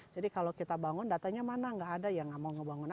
jadi kalau kita bangun datanya mana nggak ada yang mau ngebangun apa